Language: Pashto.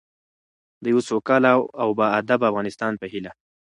د یوه سوکاله او باادبه افغانستان په هیله.